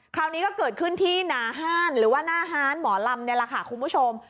คราวนี้ก็เกิดขึ้นที่หนาห้านหรือว่าหน้าฮานหมอลำนี่แหละค่ะคุณผู้ชม